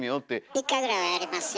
１回ぐらいはやりますよ。